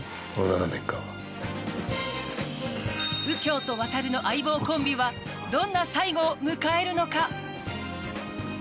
右京と亘の「相棒」コンビはどんな最後を迎えるのか。